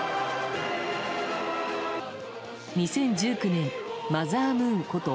２０１９年マザームーンこと